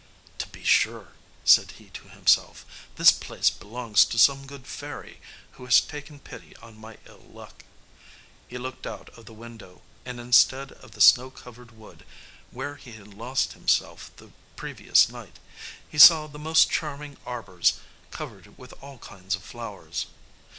"To be sure," said he to himself, "this place belongs to some good fairy, who has taken pity on my ill luck." He looked out of the window, and instead of the snow covered wood, where he had lost himself the previous night, he saw the most charming arbors covered with all kinds of flowers.